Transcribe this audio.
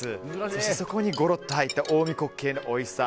そして、そこにゴロッと入った近江黒鶏のおいしさ。